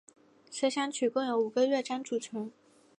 随想曲共有五个乐章组成。